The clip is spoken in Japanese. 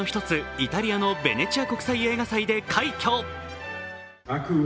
イタリアのベネチア国際映画祭で快挙。